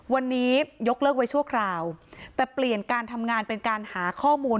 วันนี้ยกเลิกไว้ชั่วคราวแต่เปลี่ยนการทำงานเป็นการหาข้อมูล